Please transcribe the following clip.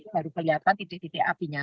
baru kelihatan titik titik apinya